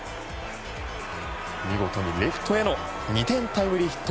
見事に、レフトへの２点タイムリーヒット。